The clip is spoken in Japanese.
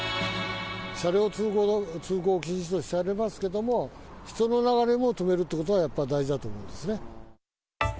車両通行禁止としてありますけれども、人の流れも止めるということがやっぱり大事だと思うんですね。